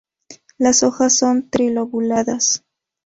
Las hojas son tri-lobuladas.